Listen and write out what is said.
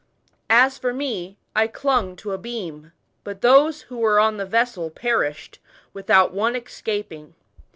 As for me, I clung to p beam, but those who were on the vessel perished, without one escaping.